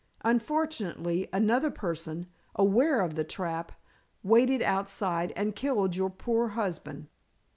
Unfortunately, another person, aware of the trap, waited outside and killed your poor husband."